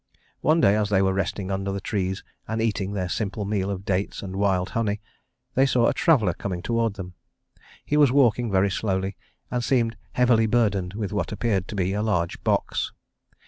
One day as they were resting under the trees and eating their simple meal of dates and wild honey, they saw a traveler coming toward them. He was walking very slowly and seemed heavily burdened with what appeared to be a large box.